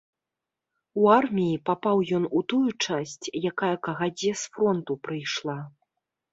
У арміі папаў ён у тую часць, якая кагадзе з фронту прыйшла.